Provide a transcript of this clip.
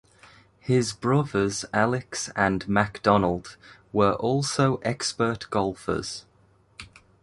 His brothers Alex and Macdonald were also expert golfers.